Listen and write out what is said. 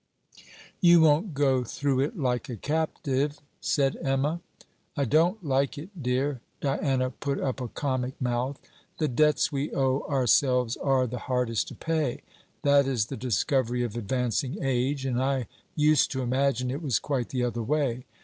'You won't go through it like a captive?' said Emma. 'I don't like it, dear,' Diana put up a comic mouth. 'The debts we owe ourselves are the hardest to pay. That is the discovery of advancing age: and I used to imagine it was quite the other way.